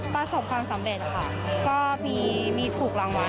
ประสบความสำเร็จค่ะก็มีถูกรางวัล